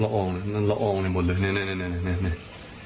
เห็นไหมละอองละอองในหมดเลยเนี้ยเนี้ยเนี้ยเนี้ยเนี้ย